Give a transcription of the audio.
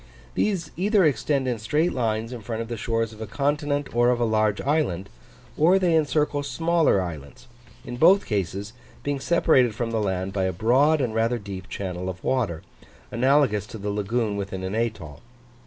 These either extend in straight lines in front of the shores of a continent or of a large island, or they encircle smaller islands; in both cases, being separated from the land by a broad and rather deep channel of water, analogous to the lagoon within an atoll.